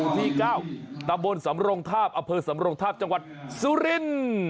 ที่๙ตำบลสำรงทาบอเภอสำรงทาบจังหวัดสุรินทร์